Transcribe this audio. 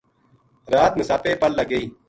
رات نساپے پَل لگ گئی